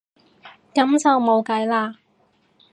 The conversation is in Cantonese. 噉就冇計啦